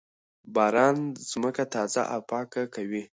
باران ځمکه تازه او پاکه کوي.